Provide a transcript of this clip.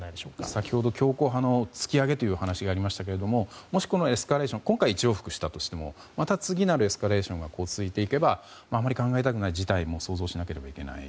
先ほど強硬派の突き上げという話がありましたがもしエスカレーションが今回は１往復しましたがまた次のエスカレーションが続いていけばあまり考えたくない事態も想像しなければいけない。